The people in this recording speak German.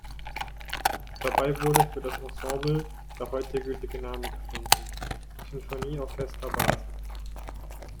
Dabei wurde für das Ensemble der heute gültige Name gefunden: «Sinfonieorchester Basel».